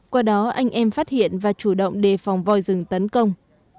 qua đó anh em phát hiện và chủ động đề phòng voi rừng tấn công